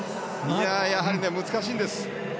やはり難しいんです。